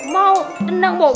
mau tenang boki